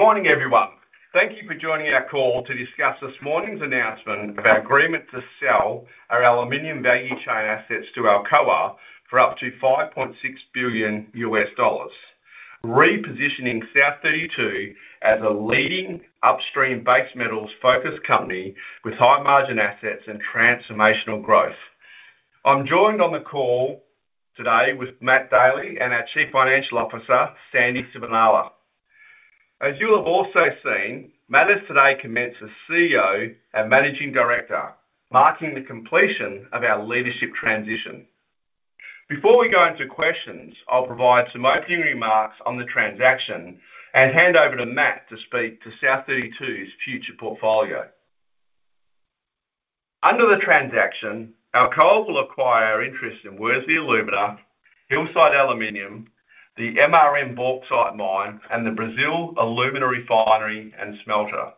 Good morning, everyone. Thank you for joining our call to discuss this morning's announcement of our agreement to sell our aluminium value chain assets to Alcoa for up to $5.6 billion, repositioning South32 as a leading upstream base metals-focused company with high-margin assets and transformational growth. I am joined on the call today with Matt Daley and our Chief Financial Officer, Sandy Sibenaler. As you have also seen, Matt has today commenced as CEO and Managing Director, marking the completion of our leadership transition. Before we go into questions, I will provide some opening remarks on the transaction and hand over to Matt to speak to South32's future portfolio. Under the transaction, Alcoa will acquire our interest in Worsley Alumina, Hillside Aluminium, the MRN Bauxite Mine, and the Alumar refinery and smelter.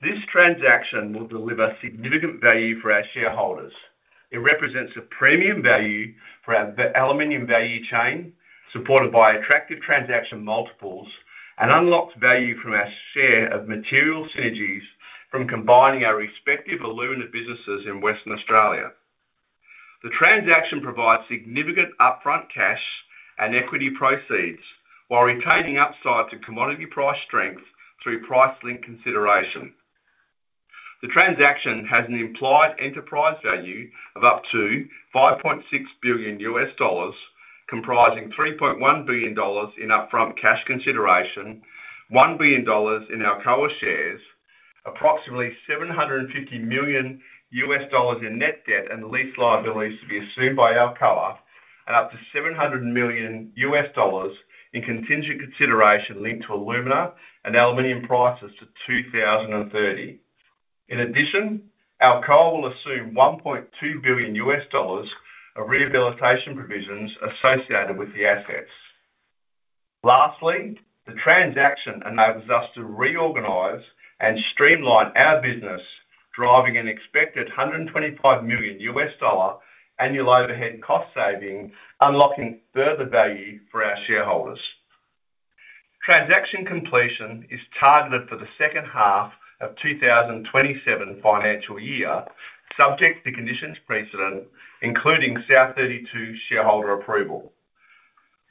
This transaction will deliver significant value for our shareholders. It represents a premium value for our aluminium value chain, supported by attractive transaction multiples and unlocked value from our share of material synergies from combining our respective alumina businesses in Western Australia. The transaction provides significant upfront cash and equity proceeds while retaining upside to commodity price strength through price-linked consideration. The transaction has an implied enterprise value of up to $5.6 billion, comprising $3.1 billion in upfront cash consideration, $1 billion in Alcoa shares, approximately $750 million in net debt and lease liabilities to be assumed by Alcoa, and up to $700 million in contingent consideration linked to alumina and aluminium prices to 2030. In addition, Alcoa will assume $1.2 billion of rehabilitation provisions associated with the assets. Lastly, the transaction enables us to reorganize and streamline our business, driving an expected $125 million annual overhead cost saving, unlocking further value for our shareholders. Transaction completion is targeted for the second half of FY 2027, subject to conditions precedent, including South32 shareholder approval.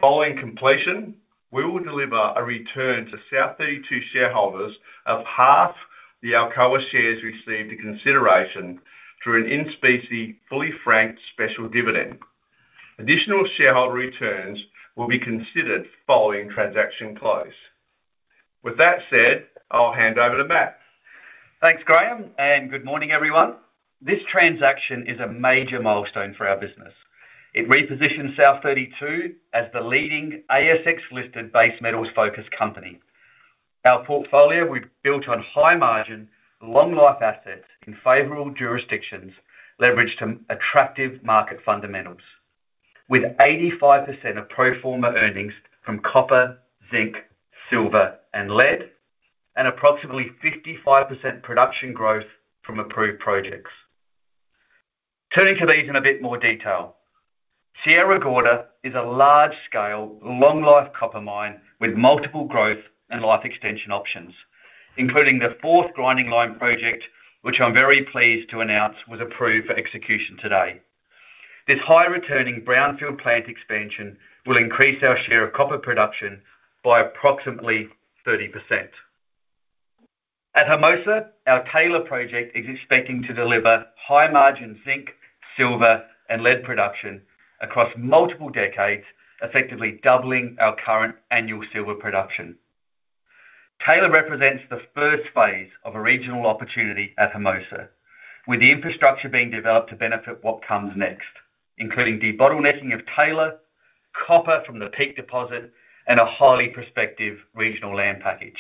Following completion, we will deliver a return to South32 shareholders of half the Alcoa shares received in consideration through an in-specie fully franked special dividend. Additional shareholder returns will be considered following transaction close. With that said, I will hand over to Matt. Thanks, Graham. Good morning, everyone. This transaction is a major milestone for our business. It repositions South32 as the leading ASX-listed base metals-focused company. Our portfolio we have built on high-margin, long-life assets in favorable jurisdictions leveraged to attractive market fundamentals. With 85% of pro forma earnings from copper, zinc, silver and lead, and approximately 55% production growth from approved projects. Turning to these in a bit more detail. Sierra Gorda is a large-scale, long-life copper mine with multiple growth and life extension options, including the fourth grinding line project, which I am very pleased to announce was approved for execution today. This high-returning brownfield plant expansion will increase our share of copper production by approximately 30%. At Hermosa, our Taylor Project is expecting to deliver high-margin zinc, silver and lead production across multiple decades, effectively doubling our current annual silver production. Taylor represents the first phase of a regional opportunity at Hermosa, with the infrastructure being developed to benefit what comes next, including debottlenecking of Taylor, copper from the Peake deposit, and a highly prospective regional land package.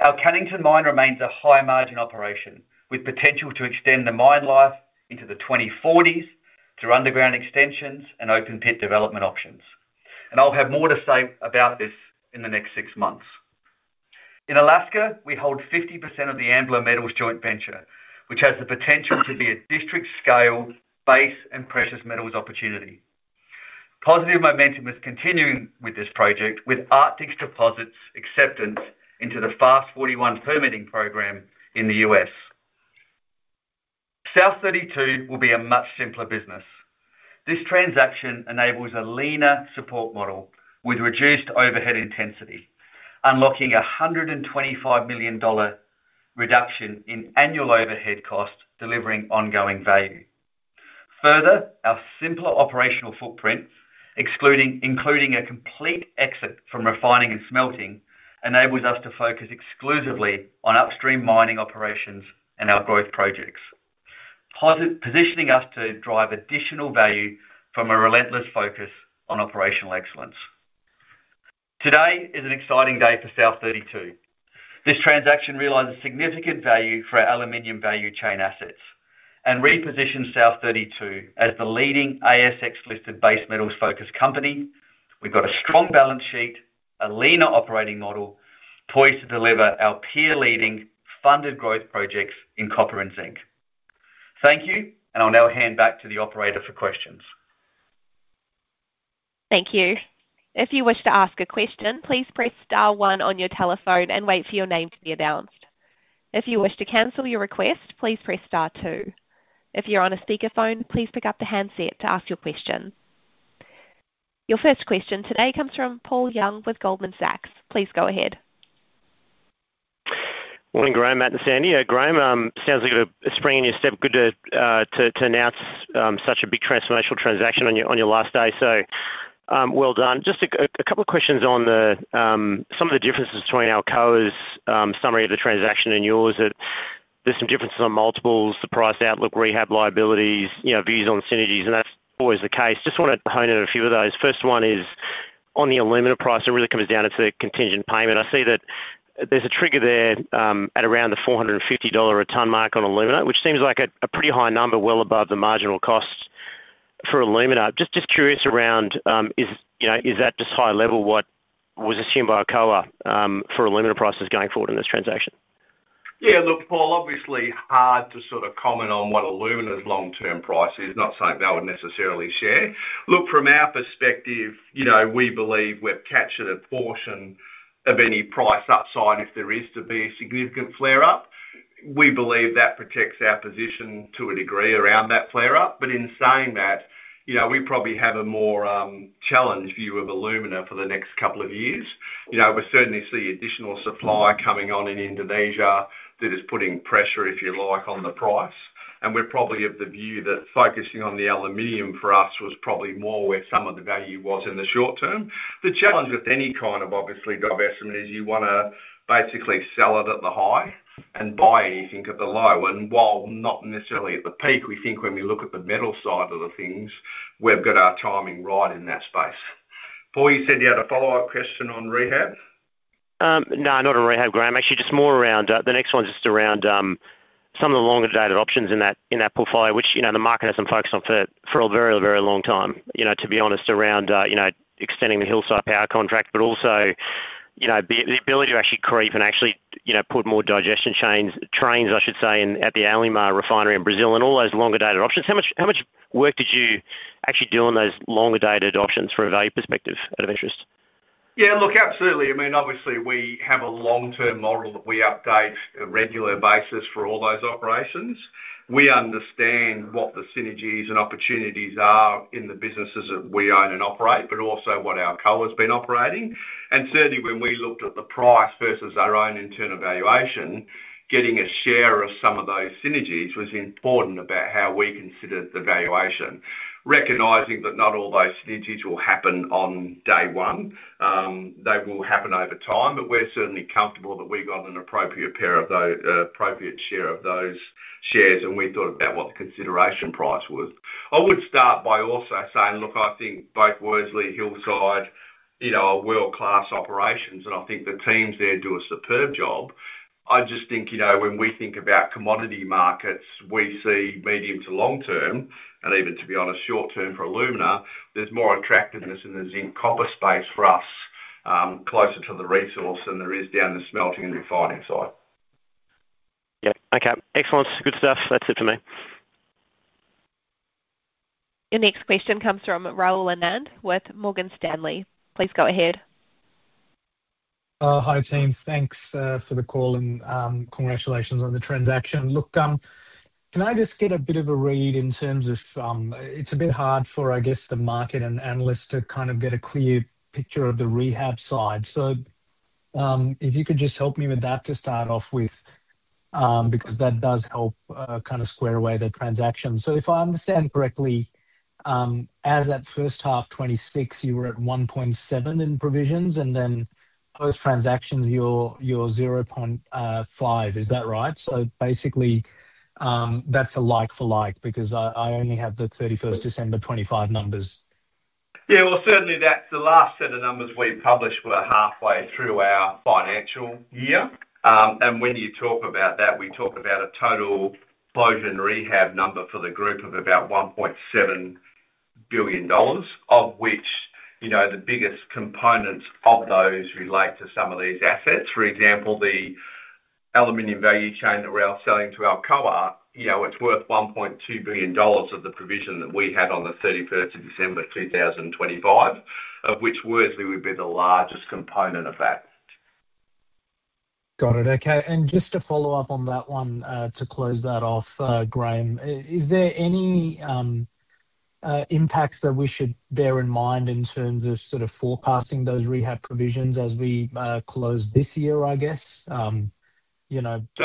Our Cannington mine remains a high-margin operation with potential to extend the mine life into the 2040s through underground extensions and open pit development options. I'll have more to say about this in the next six months. In Alaska, we hold 50% of the Ambler Metals joint venture, which has the potential to be a district-scale base and precious metals opportunity. Positive momentum is continuing with this project with Arctic Deposit's acceptance into the FAST-41 permitting program in the U.S. South32 will be a much simpler business. This transaction enables a leaner support model with reduced overhead intensity, unlocking $125 million reduction in annual overhead cost, delivering ongoing value. Further, our simpler operational footprint, including a complete exit from refining and smelting, enables us to focus exclusively on upstream mining operations and our growth projects, positioning us to drive additional value from a relentless focus on operational excellence. Today is an exciting day for South32. This transaction realizes significant value for our aluminium value chain assets and repositions South32 as the leading ASX-listed base metals focused company. We've got a strong balance sheet, a leaner operating model poised to deliver our peer-leading funded growth projects in copper and zinc. Thank you, and I'll now hand back to the operator for questions. Thank you. If you wish to ask a question, please press star one on your telephone and wait for your name to be announced. If you wish to cancel your request, please press star two. If you're on a speakerphone, please pick up the handset to ask your question. Your first question today comes from Paul Young with Goldman Sachs. Please go ahead. Morning, Graham, Matt and Sandy. Yeah, Graham, sounds like you have a spring in your step. Good to announce such a big transformational transaction on your last day. Well done. Just a couple of questions on some of the differences between Alcoa's summary of the transaction and yours. There's some differences on multiples, the price outlook, rehab liabilities, views on synergies, and that's always the case. Just want to hone in a few of those. First one is on the alumina price. It really comes down to the contingent payment. I see that there's a trigger there, at around the $450 a ton mark on alumina, which seems like a pretty high number, well above the marginal cost for alumina. Just curious around, is that just high level what was assumed by Alcoa for alumina prices going forward in this transaction? Paul, obviously, hard to sort of comment on what alumina's long-term price is. Not something they would necessarily share. From our perspective, we believe we've captured a portion of any price upside, if there is to be a significant flare-up. We believe that protects our position to a degree around that flare-up. In saying that, we probably have a more challenged view of alumina for the next couple of years. We certainly see additional supply coming on in Indonesia that is putting pressure, if you like, on the price. We're probably of the view that focusing on the aluminium for us was probably more where some of the value was in the short term. The challenge with any kind of obviously divestment is you want to basically sell it at the high and buy anything at the low. While not necessarily at the peak, we think when we look at the metal side of the things, we've got our timing right in that space. Paul, you said you had a follow-up question on rehab? No, not on rehab, Graham. Actually, just around some of the longer-dated options in that portfolio, which the market hasn't focused on for a very long time, to be honest, around extending the Hillside power contract, but also the ability to creep and put more trains, I should say, at the Alumar refinery in Brazil and all those longer-dated options. How much work did you actually do on those longer-dated options from a value perspective out of interest? Absolutely. Obviously, we have a long-term model that we update a regular basis for all those operations. We understand what the synergies and opportunities are in the businesses that we own and operate, but also what Alcoa's been operating. Certainly, when we looked at the price versus our own internal valuation, getting a share of some of those synergies was important about how we considered the valuation. Recognizing that not all those synergies will happen on day one. They will happen over time, but we're certainly comfortable that we've got an appropriate share of those shares, and we thought about what the consideration price was. I would start by also saying, I think both Worsley and Hillside are world-class operations, and I think the teams there do a superb job. I just think, when we think about commodity markets, we see medium to long-term and even, to be honest, short-term for alumina, there's more attractiveness in the zinc copper space for us, closer to the resource than there is down the smelting and refining side. Yeah. Okay. Excellent. Good stuff. That's it for me. Your next question comes from Rahul Anand with Morgan Stanley. Please go ahead. Hi, team. Thanks for the call and congratulations on the transaction. Look, can I just get a bit of a read in terms of. It's a bit hard for, I guess, the market and analysts to kind of get a clear picture of the rehab side. If you could just help me with that to start off with, because that does help kind of square away the transaction. If I understand correctly, as at first half 2026, you were at $1.7 in provisions, and then post-transaction, you're $0.5. Is that right? Basically, that's a like for like because I only have the 31st December 2025 numbers. Yeah. Well, certainly that is the last set of numbers we published were halfway through our financial year. When you talk about that, we talk about a total closure and rehab number for the group of about $1.7 billion, of which the biggest components of those relate to some of these assets. For example, the aluminium value chain that we are selling to Alcoa, it is worth $1.2 billion of the provision that we had on the 31st of December 2025, of which Worsley would be the largest component of that. Got it. Okay. Just to follow up on that one to close that off, Graham. Is there any impacts that we should bear in mind in terms of forecasting those rehab provisions as we close this year, I guess?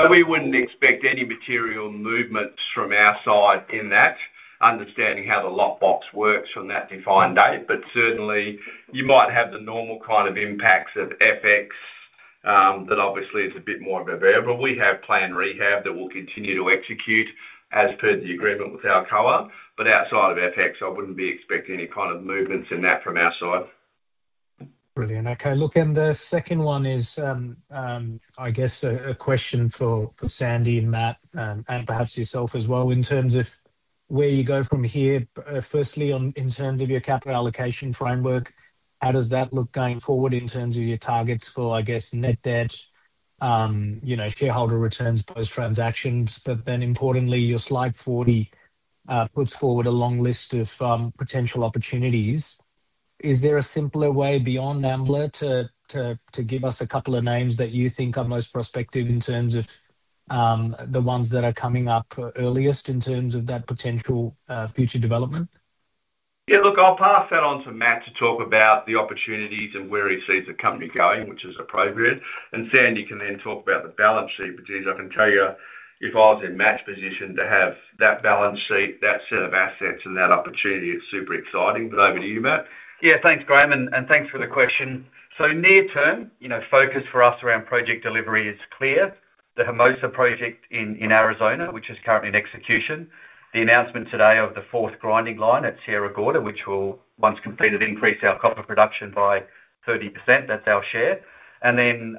We would not expect any material movements from our side in that, understanding how the locked-box works from that defined date. Certainly, you might have the normal kind of impacts of FX, that obviously is a bit more of a variable. We have planned rehab that we will continue to execute as per the agreement with Alcoa, but outside of FX, I would not be expecting any kind of movements in that from our side. Brilliant. Okay, look, the second one is, I guess, a question for Sandy and Matt, and perhaps yourself as well, in terms of where you go from here. Firstly, in terms of your capital allocation framework, how does that look going forward in terms of your targets for, I guess, net debt? Shareholder returns, those transactions. Importantly, your Slide 40 puts forward a long list of potential opportunities. Is there a simpler way beyond Ambler to give us a couple of names that you think are most prospective in terms of the ones that are coming up earliest in terms of that potential future development? Yeah, look, I'll pass that on to Matt to talk about the opportunities and where he sees the company going, which is appropriate. Sandy can then talk about the balance sheet, which is, I can tell you, if I was in Matt's position to have that balance sheet, that set of assets and that opportunity, it's super exciting. Over to you, Matt. Yeah. Thanks, Graham, and thanks for the question. Near term, focus for us around project delivery is clear. The Hermosa project in Arizona, which is currently in execution. The announcement today of the fourth grinding line at Sierra Gorda, which will, once completed, increase our copper production by 30%. That's our share. Then,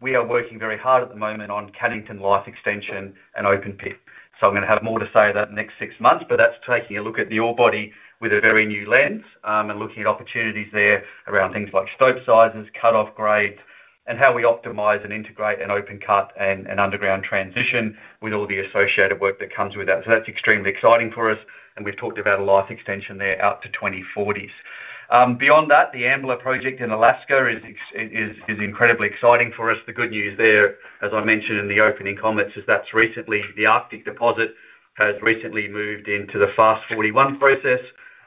we are working very hard at the moment on Cannington life extension and open pit. I'm going to have more to say on that in the next six months. That's taking a look at the ore body with a very new lens, and looking at opportunities there around things like stope sizes, cut-off grades, and how we optimize and integrate an open cut and an underground transition with all the associated work that comes with that. That's extremely exciting for us, and we've talked about a life extension there out to 2040s. Beyond that, the Ambler project in Alaska is incredibly exciting for us. The good news there, as I mentioned in the opening comments, is the Arctic Deposit has recently moved into the FAST-41 process,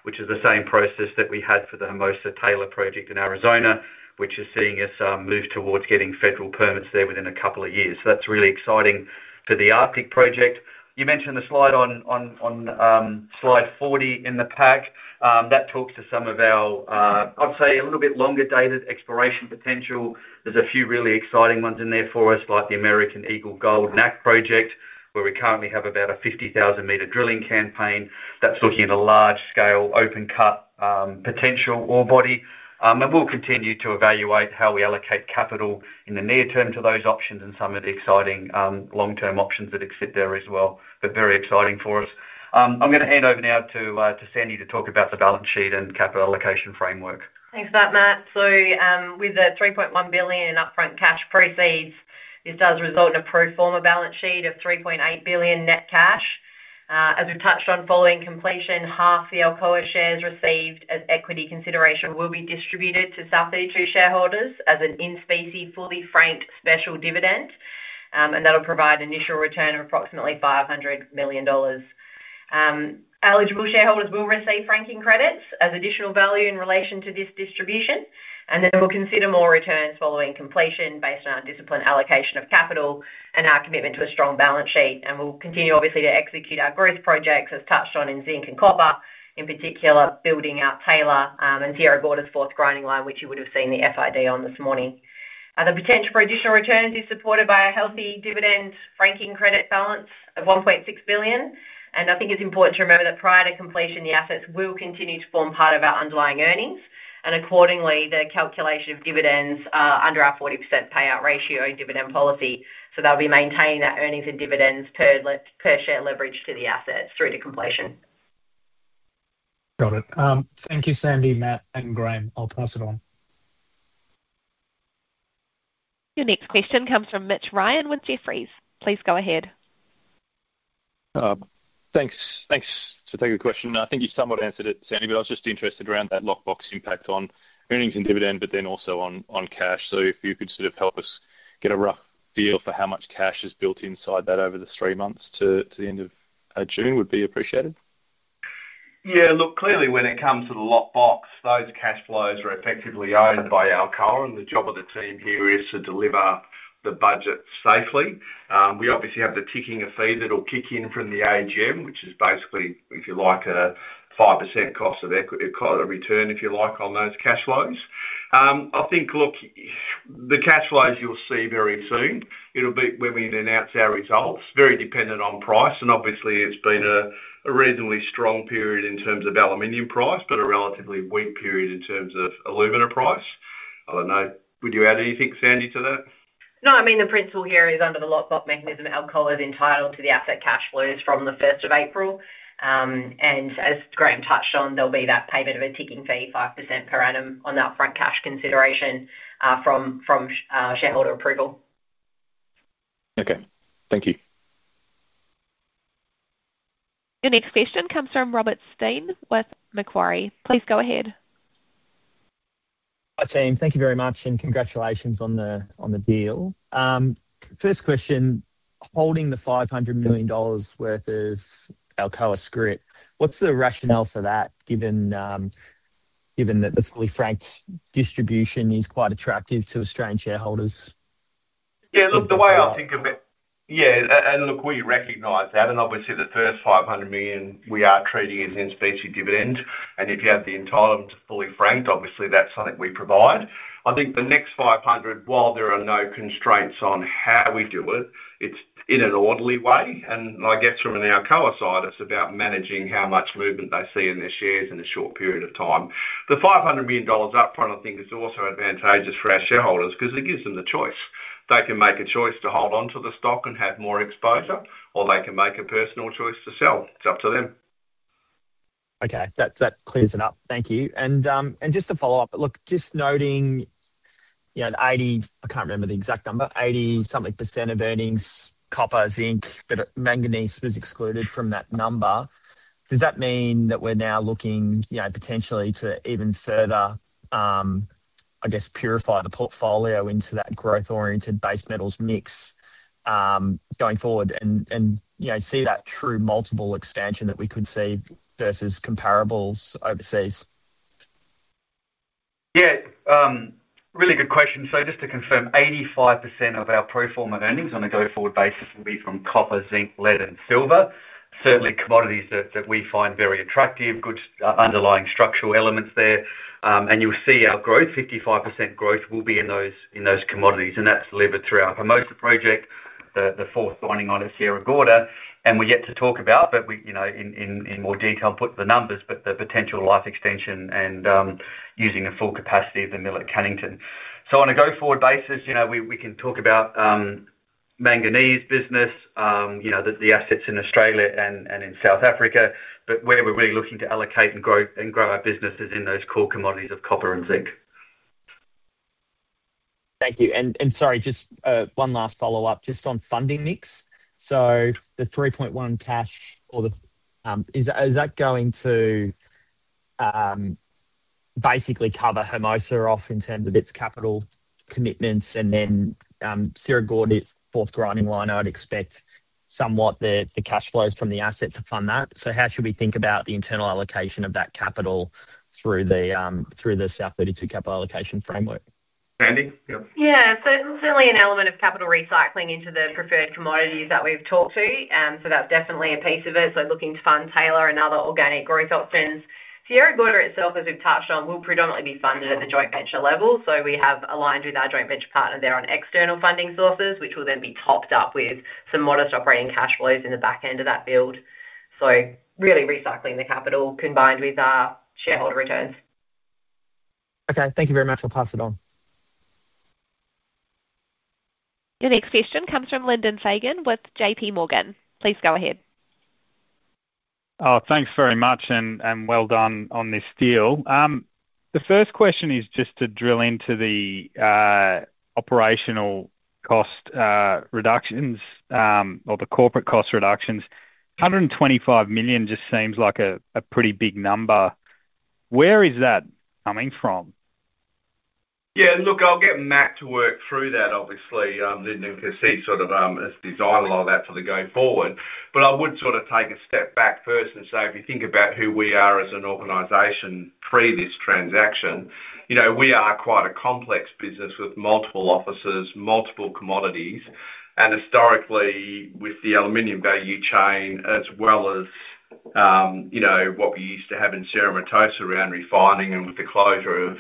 which is the same process that we had for the Hermosa Taylor project in Arizona, which is seeing us move towards getting federal permits there within a couple of years. That's really exciting for the Arctic project. You mentioned the slide on Slide 40 in the pack. That talks to some of our, I'd say, a little bit longer dated exploration potential. There's a few really exciting ones in there for us, like the American Eagle Gold NAK project, where we currently have about a 50,000-meter drilling campaign that's looking at a large-scale open cut potential ore body. We'll continue to evaluate how we allocate capital in the near term to those options and some of the exciting long-term options that exist there as well. Very exciting for us. I'm going to hand over now to Sandy to talk about the balance sheet and capital allocation framework. Thanks for that, Matt. With the $3.1 billion in upfront cash proceeds, this does result in a pro forma balance sheet of $3.8 billion net cash. As we've touched on following completion, half the Alcoa shares received as equity consideration will be distributed to South32 shareholders as an in specie, fully franked special dividend. That'll provide initial return of approximately $500 million. Eligible shareholders will receive franking credits as additional value in relation to this distribution. We'll consider more returns following completion based on our disciplined allocation of capital and our commitment to a strong balance sheet. We'll continue, obviously, to execute our growth projects, as touched on in zinc and copper, in particular building out Taylor and Sierra Gorda's fourth grinding line, which you would've seen the FID on this morning. The potential for additional returns is supported by a healthy dividend franking credit balance of $1.6 billion. I think it's important to remember that prior to completion, the assets will continue to form part of our underlying earnings. Accordingly, the calculation of dividends are under our 40% payout ratio in dividend policy. They'll be maintaining that earnings and dividends per share leverage to the assets through to completion. Got it. Thank you, Sandy, Matt, and Graham. I'll pass it on. Your next question comes from Mitch Ryan with Jefferies. Please go ahead. Thank you for the question, and I think you somewhat answered it, Sandy. I was just interested around that locked-box impact on earnings and dividend, also on cash. If you could sort of help us get a rough feel for how much cash is built inside that over the three months to the end of June would be appreciated. Clearly when it comes to the locked-box, those cash flows are effectively owned by Alcoa, and the job of the team here is to deliver the budget safely. We obviously have the ticking fee that will kick in from the AGM, which is basically, a 5% cost of equity return on those cash flows. The cash flows you will see very soon. It will be when we announce our results. Very dependent on price, and obviously it has been a reasonably strong period in terms of aluminium price, but a relatively weak period in terms of alumina price. I don't know, would you add anything, Sandy, to that? No. The principle here is under the locked-box mechanism, Alcoa is entitled to the asset cash flows from the 1st of April. As Graham touched on, there will be that payment of a ticking fee, 5% per annum on the upfront cash consideration, from shareholder approval. Okay. Thank you. Your next question comes from Robert Stein with Macquarie. Please go ahead. Hi, team. Thank you very much and congratulations on the deal. First question, holding the $500 million worth of Alcoa scrip, what's the rationale for that given that the fully franked distribution is quite attractive to Australian shareholders? Look, we recognize that, obviously the first $500 million we are treating as in specie dividend. If you have the entitlement to fully franked, obviously that's something we provide. I think the next $500 million, while there are no constraints on how we do it's in an orderly way, and I guess from an Alcoa side, it's about managing how much movement they see in their shares in a short period of time. The $500 million up front I think is also advantageous for our shareholders because it gives them the choice. They can make a choice to hold onto the stock and have more exposure, or they can make a personal choice to sell. It's up to them. That clears it up. Thank you. Just to follow up. Look, just noting, the 80 something percent of earnings, copper, zinc, but manganese was excluded from that number. Does that mean that we're now looking, potentially to even further, I guess, purify the portfolio into that growth-oriented base metals mix, going forward and, see that true multiple expansion that we could see versus comparables overseas? Yeah. Really good question. Just to confirm, 85% of our pro forma earnings on a go-forward basis will be from copper, zinc, lead and silver. Certainly, commodities that we find very attractive, good underlying structural elements there. You'll see our growth, 55% growth will be in those commodities, and that's delivered through our Hermosa project, the fourth grinding line at Sierra Gorda. We're yet to talk about, but we, in more detail, put the numbers, but the potential life extension and, using the full capacity of the mill at Cannington. On a go-forward basis, we can talk about manganese business, the assets in Australia and in South Africa. Where we're really looking to allocate and grow our business is in those core commodities of copper and zinc. Thank you. Sorry, just one last follow-up just on funding mix. The $3.1 billion cash or the Is that going to basically cover Hermosa off in terms of its capital commitments and then Sierra Gorda fourth grinding line, I would expect somewhat the cash flows from the asset to fund that. How should we think about the internal allocation of that capital through the South32 capital allocation framework? Sandy? Yeah. Yeah. Certainly an element of capital recycling into the preferred commodities that we've talked to. That's definitely a piece of it. Looking to fund Taylor and other organic growth options. Sierra Gorda itself, as we've touched on, will predominantly be funded at the joint venture level. We have aligned with our joint venture partner there on external funding sources, which will then be topped up with some modest operating cash flows in the back end of that build. Really recycling the capital combined with our shareholder returns. Okay. Thank you very much. I'll pass it on. Your next question comes from Lyndon Fagan with J.P. Morgan. Please go ahead. Oh, thanks very much. Well done on this deal. The first question is just to drill into the operational cost reductions. Or the corporate cost reductions. $125 million just seems like a pretty big number. Where is that coming from? Yeah, look, I'll get Matt to work through that obviously, Lyndon, because he sort of, has designed a lot of that for the way forward. I would sort of take a step back first and say, if you think about who we are as an organization pre this transaction, we are quite a complex business with multiple offices, multiple commodities, and historically with the aluminium value chain as well as, what we used to have in Cerro Matoso around refining and with the closure of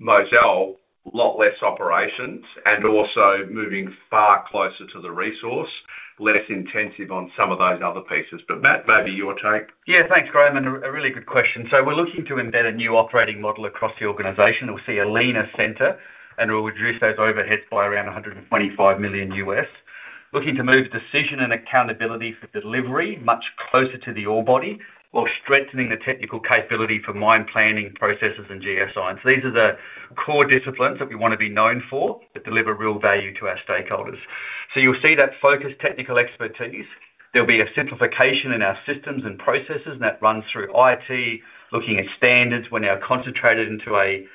Mozal, a lot less operations and also moving far closer to the resource, less intensive on some of those other pieces. Matt, maybe your take. Thanks, Graham. A really good question. We're looking to embed a new operating model across the organization. We'll see a leaner center, and we'll reduce those overheads by around $125 million. Looking to move decision and accountability for delivery much closer to the ore body while strengthening the technical capability for mine planning, processes and geoscience. These are the core disciplines that we want to be known for, that deliver real value to our stakeholders. You'll see that focused technical expertise. There'll be a simplification in our systems and processes and that runs through IT, looking at standards. We're now concentrated into a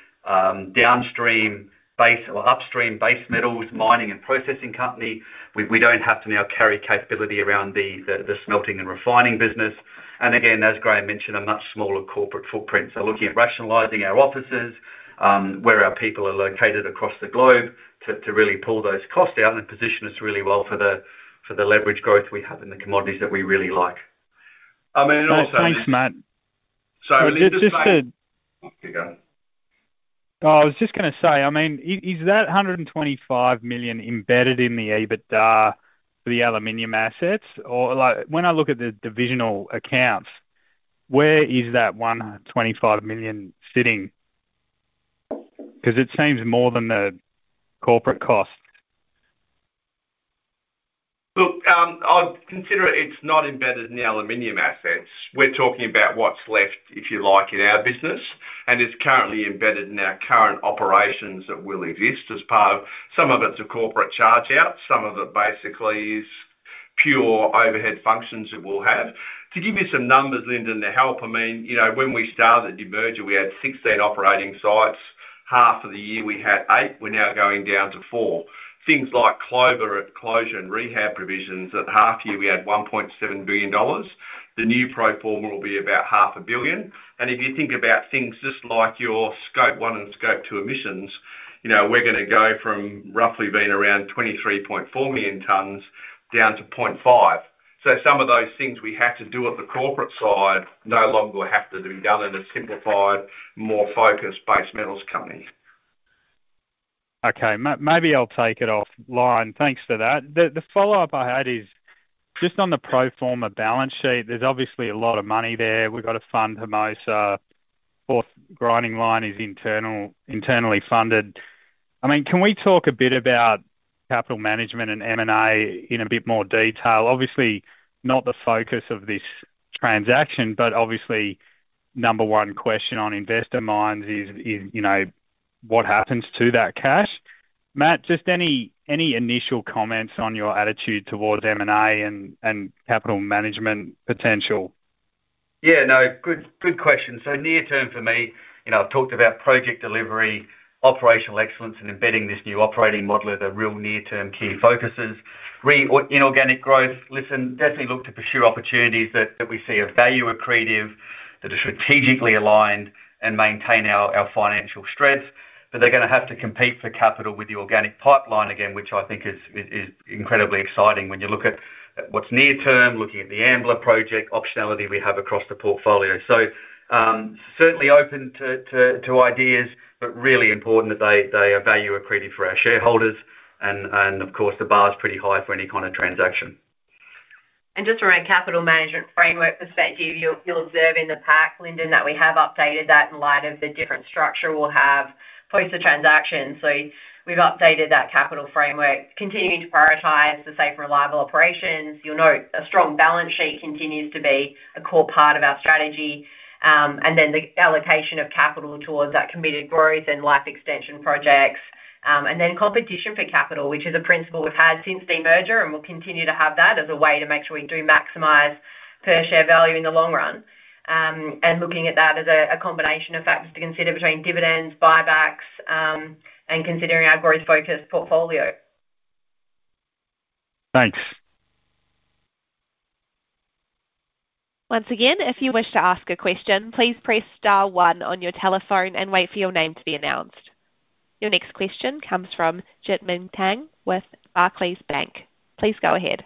downstream base or upstream base metals mining and processing company. We don't have to now carry capability around the smelting and refining business. Again, as Graham mentioned, a much smaller corporate footprint. Looking at rationalizing our offices, where our people are located across the globe to really pull those costs out and position us really well for the leverage growth we have in the commodities that we really like. Thanks, Matt. Lyndon. Just to- Off you go. I was just going to say, is that $125 million embedded in the EBITDA for the aluminum assets? Or like when I look at the divisional accounts, where is that $125 million sitting? Because it seems more than the corporate costs. Look, I'd consider it's not embedded in the aluminum assets. We're talking about what's left, if you like, in our business. It's currently embedded in our current operations that will exist as part of. Some of it's a corporate charge out, some of it basically is pure overhead functions that we'll have. To give you some numbers, Lyndon, to help, when we started the demerger, we had 16 operating sites. Half of the year we had eight, we're now going down to four. Things like closure and rehab provisions, at half year, we had $1.7 billion. The new pro forma will be about half a billion. If you think about things just like your Scope 1 and Scope 2 emissions, we're going to go from roughly being around 23.4 million tons down to 0.5. Some of those things we had to do at the corporate side no longer will have to be done in a simplified, more focused base metals company. Okay. Maybe I'll take it offline. Thanks for that. The follow-up I had is just on the pro forma balance sheet. There's obviously a lot of money there. We've got to fund Hermosa. Fourth Grinding Line is internally funded. Can we talk a bit about capital management and M&A in a bit more detail? Obviously, not the focus of this transaction, but obviously number one question on investor minds is, what happens to that cash? Matt, just any initial comments on your attitude towards M&A and capital management potential? Yeah. Good question. Near term for me, I've talked about project delivery, operational excellence, and embedding this new operating model are the real near-term key focuses. Inorganic growth, listen, definitely look to pursue opportunities that we see are value accretive, that are strategically aligned and maintain our financial strength. They're going to have to compete for capital with the organic pipeline again, which I think is incredibly exciting when you look at what's near term, looking at the Ambler project, optionality we have across the portfolio. Certainly open to ideas, but really important that they are value accretive for our shareholders and, of course, the bar is pretty high for any kind of transaction. Just from a capital management framework perspective, you'll observe in the pack, Lyndon, that we have updated that in light of the different structure we'll have post the transaction. We've updated that capital framework, continuing to prioritize the safe and reliable operations. You'll note a strong balance sheet continues to be a core part of our strategy. The allocation of capital towards that committed growth and life extension projects, and then competition for capital, which is a principle we've had since demerger, and we'll continue to have that as a way to make sure we do maximize per share value in the long run. Looking at that as a combination of factors to consider between dividends, buybacks, and considering our growth focused portfolio. Thanks. Once again, if you wish to ask a question, please press star one on your telephone and wait for your name to be announced. Your next question comes from Jitmin Tang with Barclays. Please go ahead.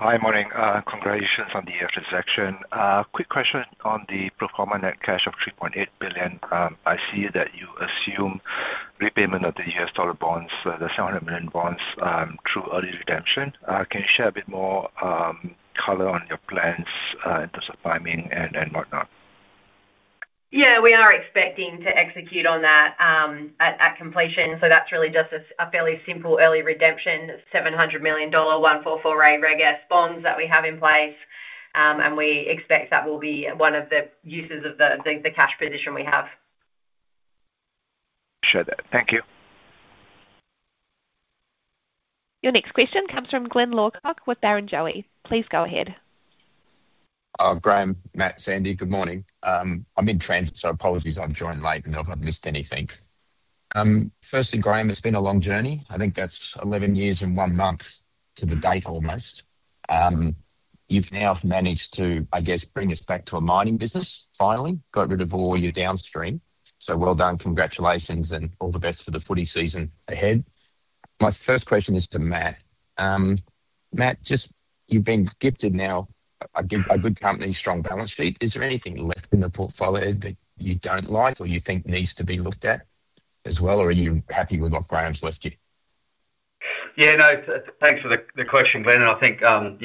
Hi. Morning. Congratulations on the transaction. Quick question on the pro forma net cash of $3.8 billion. I see that you assume repayment of the U.S. dollar bonds, the $700 million bonds, through early redemption. Can you share a bit more color on your plans in terms of timing and whatnot? Yeah, we are expecting to execute on that at completion. That's really just a fairly simple early redemption, $700 million 144A Reg S bonds that we have in place. We expect that will be one of the uses of the cash position we have. Appreciate that. Thank you. Your next question comes from Glyn Lawcock with Barrenjoey. Please go ahead. Graham, Matt, Sandy, good morning. I'm in transit, so apologies if I've joined late and if I've missed anything. Firstly, Graham, it's been a long journey. I think that's 11 years and one month to the date almost. You've now managed to, I guess, bring us back to a mining business, finally. Got rid of all your downstream. Well done. Congratulations and all the best for the footy season ahead. My first question is to Matt. Matt, you've been gifted now a good company, strong balance sheet. Is there anything left in the portfolio that you don't like or you think needs to be looked at as well? Or are you happy with what Graham's left you? Yeah. No, thanks for the question, Glyn. I think Graham,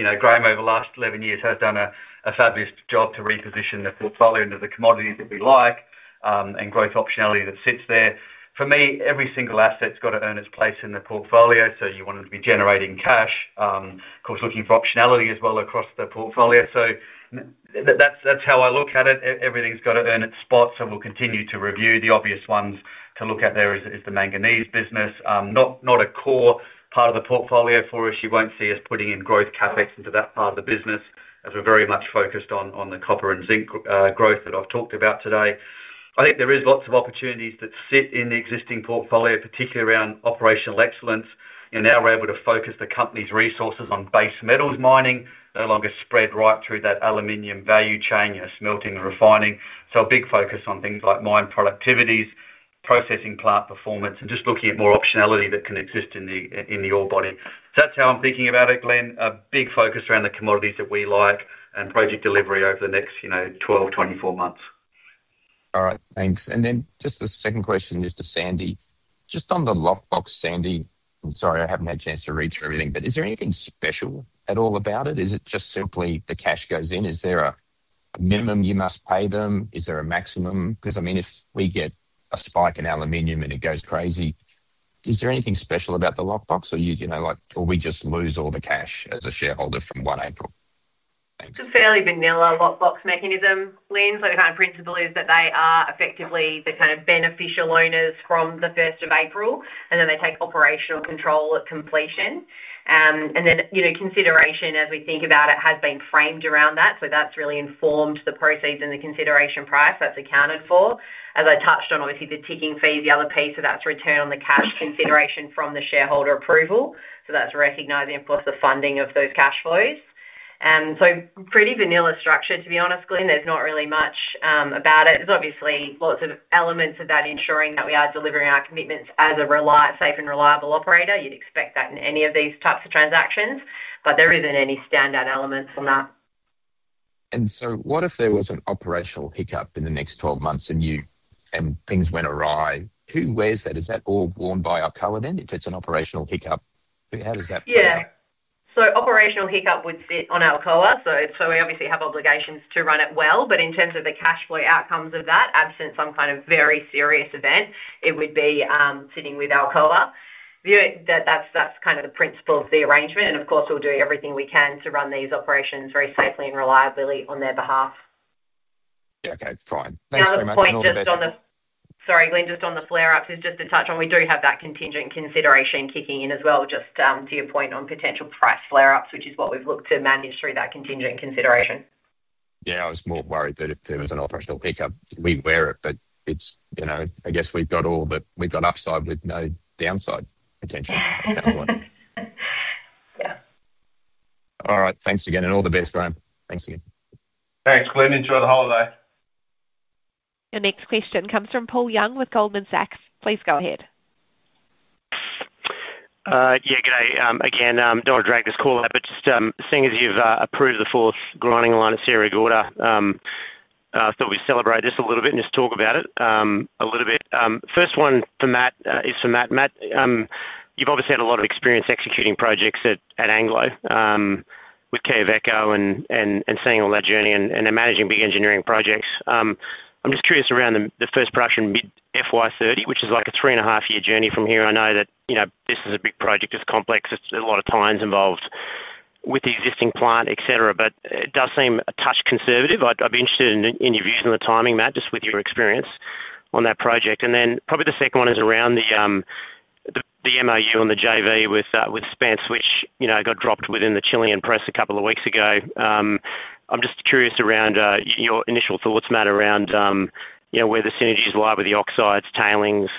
over the last 11 years, has done a fabulous job to reposition the portfolio into the commodities that we like and growth optionality that sits there. For me, every single asset's got to earn its place in the portfolio. You want them to be generating cash. Of course, looking for optionality as well across the portfolio. That's how I look at it. Everything's got to earn its spot, we'll continue to review. The obvious ones to look at there is the manganese business. Not a core part of the portfolio for us. You won't see us putting in growth CapEx into that part of the business, as we're very much focused on the copper and zinc growth that I've talked about today. I think there is lots of opportunities that sit in the existing portfolio, particularly around operational excellence. Now we're able to focus the company's resources on base metals mining, no longer spread right through that aluminium value chain, smelting and refining. A big focus on things like mine productivities, processing plant performance, and just looking at more optionality that can exist in the ore body. That's how I'm thinking about it, Glyn. A big focus around the commodities that we like and project delivery over the next 12, 24 months. All right. Thanks. The second question is to Sandy. On the lock box, Sandy. I am sorry, I have not had a chance to read through everything, is there anything special at all about it? Is it simply the cash goes in? Is there a minimum you must pay them? Is there a maximum? If we get a spike in aluminium and it goes crazy, is there anything special about the lock box? Do we just lose all the cash as a shareholder from April 1? Thanks. It is a fairly vanilla lock box mechanism, Glyn. The principle is that they are effectively the beneficial owners from April 1, and then they take operational control at completion. Consideration as we think about it, has been framed around that. That has really informed the proceeds and the consideration price that is accounted for. As I touched on, obviously, the ticking fee is the other piece. That is return on the cash consideration from the shareholder approval. That is recognizing, of course, the funding of those cash flows. Pretty vanilla structure, to be honest, Glyn. There is not really much about it. There is obviously lots of elements about ensuring that we are delivering our commitments as a safe and reliable operator. You would expect that in any of these types of transactions, there is not any standout elements on that. What if there was an operational hiccup in the next 12 months and things went awry? Who wears that? Is that all worn by Alcoa then, if it is an operational hiccup? How does that work? Operational hiccup would sit on Alcoa. We obviously have obligations to run it well. In terms of the cash flow outcomes of that, absent some kind of very serious event, it would be sitting with Alcoa. That is the principle of the arrangement, and of course, we will do everything we can to run these operations very safely and reliably on their behalf. Yeah, okay, fine. Thanks very much, and all the best. Sorry, Glyn, just on the flare-ups, just to touch on, we do have that contingent consideration kicking in as well, just to your point on potential price flare-ups, which is what we've looked to manage through that contingent consideration. Yeah, I was more worried that if there was an operational hiccup, we'd wear it. I guess we've got upside with no downside, potentially. Yeah. All right, thanks again, and all the best, Graham. Thanks again. Thanks, Glyn. Enjoy the holiday. Your next question comes from Paul Young with Goldman Sachs. Please go ahead. Yeah, good day. Again, don't want to drag this call out, but just seeing as you've approved the fourth grinding line at Sierra Gorda, thought we'd celebrate just a little bit and just talk about it a little bit. First one is for Matt. Matt, you've obviously had a lot of experience executing projects at Anglo, with Quellaveco and seeing all that journey and then managing big engineering projects. I'm just curious around the first production mid FY 2030, which is like a three-and-a-half-year journey from here. I know that this is a big project. It's complex. It's a lot of time involved with the existing plant, et cetera, but it does seem a touch conservative. I'd be interested in your view on the timing, Matt, just with your experience on that project. Then probably the second one is around the MOU on the JV with Spence, which got dropped within the Chilean press a couple of weeks ago. I'm just curious around your initial thoughts, Matt, around where the synergies lie with the oxides, tailings,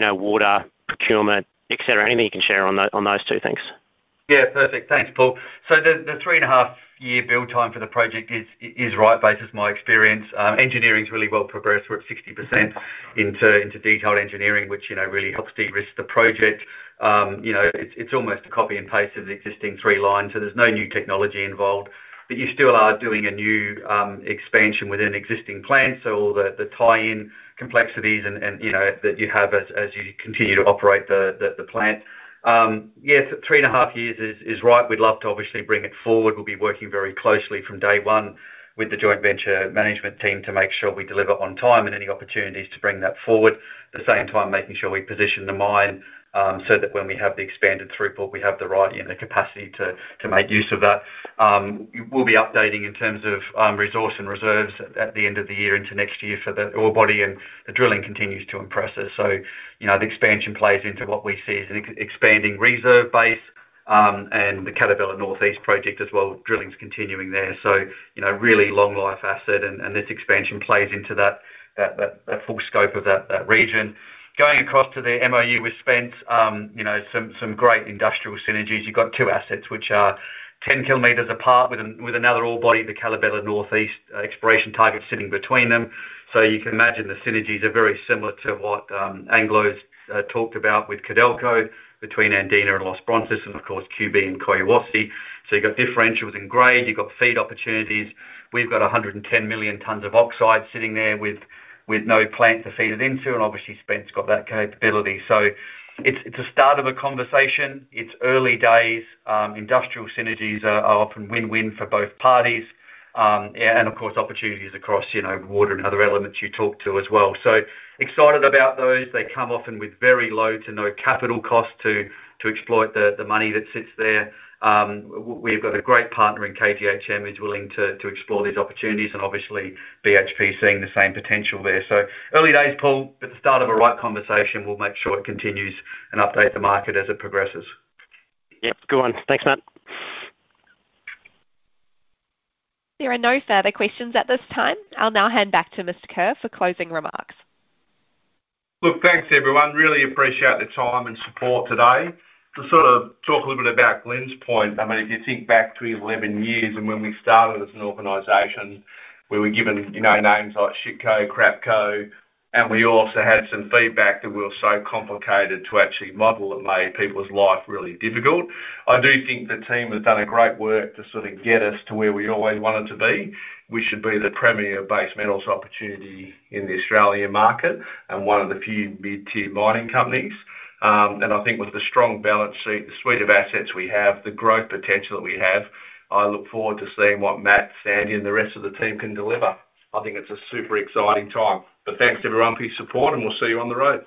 water, procurement, et cetera. Anything you can share on those two things. Yeah, perfect. Thanks, Paul. The three-and-a-half year build time for the project is right based as my experience. Engineering's really well progressed. We're at 60% into detailed engineering, which really helps de-risk the project. It's almost a copy and paste of the existing three lines, so there's no new technology involved. You still are doing a new expansion within an existing plant. All the tie-in complexities that you have as you continue to operate the plant. Yeah. Three and a half years is right. We'd love to obviously bring it forward. We'll be working very closely from day one with the joint venture management team to make sure we deliver on time and any opportunities to bring that forward. At the same time, making sure we position the mine, so that when we have the expanded throughput, we have the right and the capacity to make use of that. We'll be updating in terms of resource and reserves at the end of the year into next year for the ore body, and the drilling continues to impress us. The expansion plays into what we see as an expanding reserve base, and the Catabela Northeast project as well. Drilling's continuing there. Really long life asset, and this expansion plays into that full scope of that region. Going across to the MOU with Spence, some great industrial synergies. You've got two assets, which are 10 km apart with another ore body, the Catabela Northeast exploration target sitting between them. You can imagine the synergies are very similar to what Anglo American's talked about with Codelco between Andina and Los Bronces and of course, QB2 and Collahuasi. You've got differentials in grade, you've got feed opportunities. We've got 110 million tons of oxide sitting there with no plant to feed it into, and obviously Spence got that capability. It's a start of a conversation. It's early days. Industrial synergies are often win-win for both parties. Of course, opportunities across water and other elements you talk to as well. Excited about those. They come often with very low to no capital cost to exploit the money that sits there. We've got a great partner in KGHM who's willing to explore these opportunities and obviously BHP seeing the same potential there. Early days, Paul. It's the start of a right conversation. We'll make sure it continues and update the market as it progresses. Yep. Good one. Thanks, Matt. There are no further questions at this time. I will now hand back to Mr. Kerr for closing remarks. Thanks everyone. Really appreciate the time and support today. To sort of talk a little bit about Glyn's point, if you think back to 11 years and when we started as an organization, we were given names like Shitco, Crapco, we also had some feedback that we were so complicated to actually model it made people's life really difficult. I do think the team has done a great work to sort of get us to where we always wanted to be. We should be the premier base metals opportunity in the Australian market and one of the few mid-tier mining companies. I think with the strong balance sheet, the suite of assets we have, the growth potential that we have, I look forward to seeing what Matt, Sandy, and the rest of the team can deliver. I think it is a super exciting time. Thanks everyone for your support, we will see you on the road.